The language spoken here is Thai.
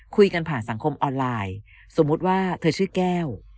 คุยกันผ่านสังคมออนไลน์สมมุติว่าเธอชื่อแก้ว